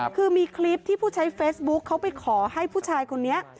คือมีคลิปที่ผู้ใช้เฟซบุ๊คเขาไปขอให้ผู้ชายคนนี้